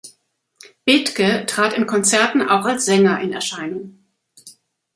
Bethge trat in Konzerten auch als Sänger in Erscheinung.